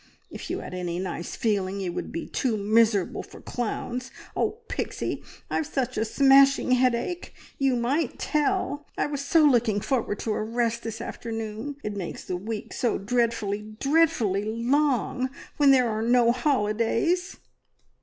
If you had any nice feeling, you would be too miserable for clowns." "Oh, Pixie, I've such a smashing headache! You might tell! I was so looking forward to a rest this afternoon. It makes the week so dreadfully, dreadfully long when there are no holidays!"